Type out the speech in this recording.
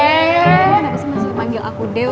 emang kenapa sih masih manggil aku deo